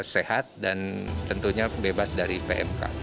sehat dan tentunya bebas dari pmk